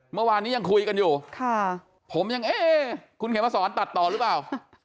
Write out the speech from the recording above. เมื่อวานนี้ยังคุยกันอยู่ผมยังเอ๊ะคุณเขมสอนตัดต่อหรือเปล่า